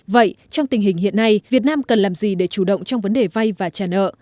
vậy trong tình hình hiện nay việt nam cần làm gì để chủ động trong vấn đề vay và trả nợ